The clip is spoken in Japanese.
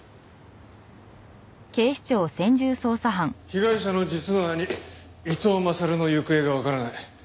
被害者の実の兄伊藤優の行方がわからない。